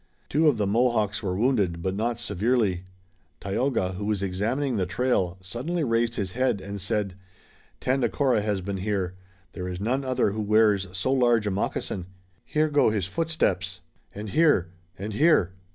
Two of the Mohawks were wounded but not severely. Tayoga, who was examining the trail, suddenly raised his head and said: "Tandakora has been here. There is none other who wears so large a moccasin. Here go his footsteps! and here! and here!"